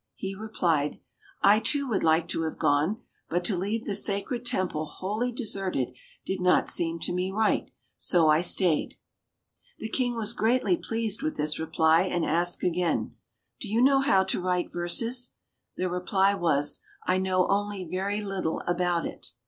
He replied, "I, too, would like to have gone, but to leave the sacred temple wholly deserted did not seem to me right, so I stayed." The King was greatly pleased with this reply, and asked again, "Do you know how to write verses?" The reply was, "I know only very little about it."